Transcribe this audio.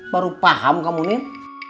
baru paham kamu nin